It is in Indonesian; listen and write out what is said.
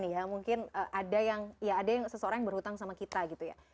ya mungkin ada yang ya ada yang seseorang yang berhutang sama kita gitu ya